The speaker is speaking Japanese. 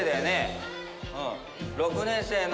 ６年生の。